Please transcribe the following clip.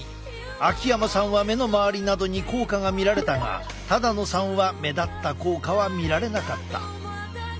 秋山さんは目の周りなどに効果が見られたが野さんは目立った効果は見られなかった。